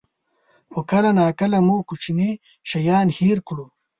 خو کله ناکله موږ کوچني شیان هېر کړو.